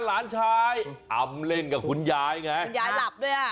หลานชายอำเล่นกับคุณยายไงคุณยายหลับด้วยอ่ะ